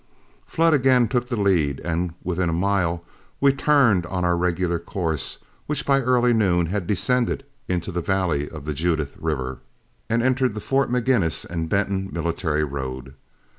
Flood again took the lead, and within a mile we turned on our regular course, which by early noon had descended into the valley of the Judith River, and entered the Fort Maginnis and Benton military road.